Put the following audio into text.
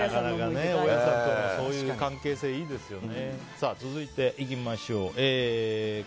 大家さんとのそういう関係性いいですよね。